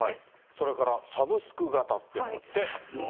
それからサブスク型というのがあって。